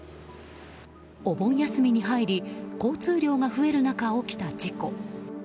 お盆休みに入り交通量が増える中、起きた事故。